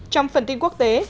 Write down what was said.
trong phần tin quốc tế